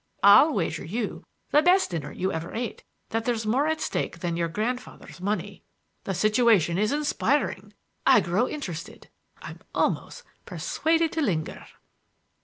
I'll wager you the best dinner you ever ate that there's more at stake than your grandfather's money. The situation is inspiring. I grow interested. I'm almost persuaded to linger."